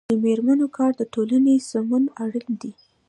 د میرمنو کار د ټولنې سمون اړین دی.